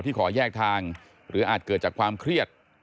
ขอแยกทางหรืออาจเกิดจากความเครียด